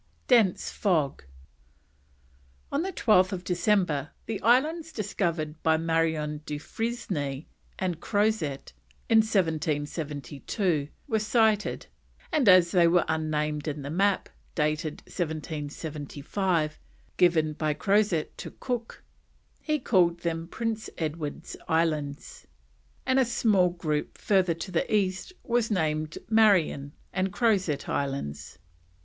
DENSE FOG. On 12th December the islands discovered by Marion du Fresne and Crozet in 1772 were sighted, and as they were unnamed in the map, dated 1775, given by Crozet to Cook, he called them Prince Edward's Islands, and a small group further to the east was named Marion and Crozet Islands.